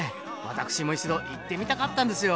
私も一度行ってみたかったんですよ